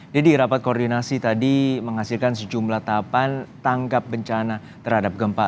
deddy rapat koordinasi tadi menghasilkan sejumlah tahapan tanggap bencana terhadap gempa